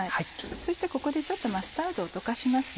そしてここでマスタードを溶かしますね。